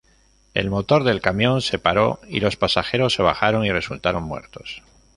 El motor del camión se paró y los pasajeros se bajaron y resultaron muertos.